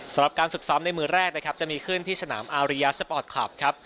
สำหรับการฝึกซ้อมในมือแรกนะครับจะมีขึ้นที่สนามอาริยาสปอร์ตคลับครับ